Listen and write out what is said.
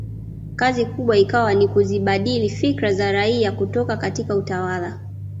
Kazi kubwa ikawa ni kuzibadili fikra za raia kutoka katika utawala